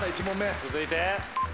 続いて。